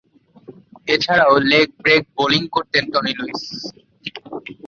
এছাড়াও, leg break bowling করতেন Tony Luis.